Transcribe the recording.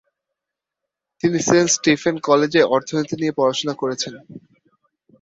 তিনি Saint Stephen কলেজে অর্থনীতি নিয়ে পড়াশোনা করেছেন।